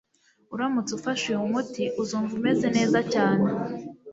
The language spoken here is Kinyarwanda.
Uramutse ufashe uyu muti uzumva umeze neza cyane